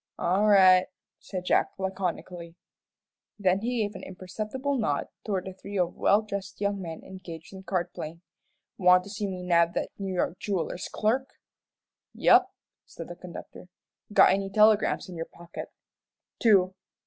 "All right," said Jack, laconically, then he gave an imperceptible nod toward a trio of well dressed young men engaged in card playing. "Want to see me nab that New York jeweller's clerk?" "Yep," said the conductor. "Got any telegrams in your pocket?" "Two."